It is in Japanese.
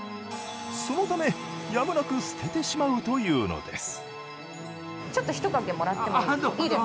そのためやむなく捨ててしまうというのです。